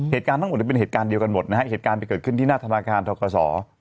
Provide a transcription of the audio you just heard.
เหตุการณ์ทั้งหมดเป็นเหตุการณ์เดียวกันหมดนะฮะเหตุการณ์ไปเกิดขึ้นที่หน้าธนาคารทกศ